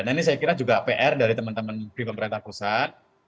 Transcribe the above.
nah ini saya kira juga pr dari teman teman di pemerintah pusat